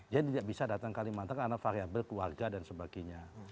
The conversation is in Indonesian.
jadi dia bisa datang kalimantan karena variabel keluarga dan sebagainya